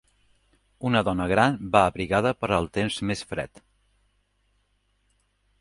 Una dona gran va abrigada per al temps més fred.